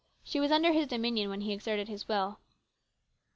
She was under his dominion when he exerted his will.